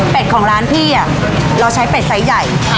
เป็นของร้านพี่เราใช้เป็ดไซส์ใหญ่